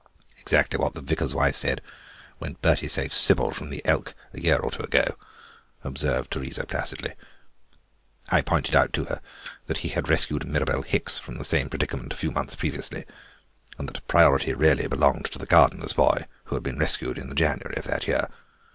"Exactly what the vicar's wife said when Bertie saved Sybil from the elk a year or two ago," observed Teresa placidly; "I pointed out to her that he had rescued Mirabel Hicks from the same predicement a few months previously, and that priority really belonged to the gardener's boy, who had been rescued in the January of that year.